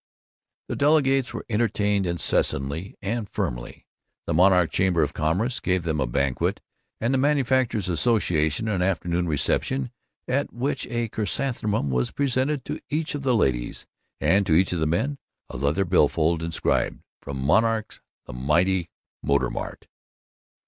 The delegates were entertained, incessantly and firmly. The Monarch Chamber of Commerce gave them a banquet, and the Manufacturers' Association an afternoon reception, at which a chrysanthemum was presented to each of the ladies, and to each of the men a leather bill fold inscribed "From Monarch the Mighty Motor Mart."